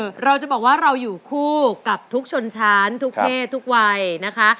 คือเราจะบอกว่าเราอยู่คู่กับทุกชนชั้นทุกเพศทุกวัยนะคะ